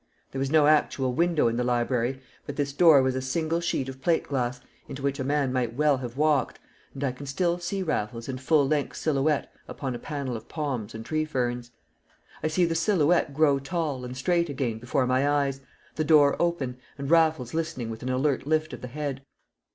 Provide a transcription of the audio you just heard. There was no actual window in the library, but this door was a single sheet of plate glass into which a man might well have walked, and I can still see Raffles in full length silhouette upon a panel of palms and tree ferns. I see the silhouette grow tall and straight again before my eyes, the door open, and Raffles listening with an alert lift of the head.